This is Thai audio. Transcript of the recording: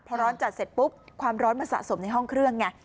พอร้อนจัดเสร็จปุ๊บความร้อนมาสะสมในห้องเครื่องไง